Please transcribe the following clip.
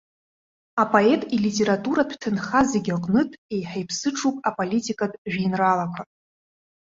Апоет илитературатә ҭынха зегьы аҟнытә еиҳа иԥсыҽуп аполитикатә жәеинраалақәа.